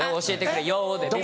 「教えてくれよ」で。